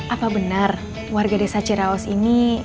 apa benar warga desa ciraos ini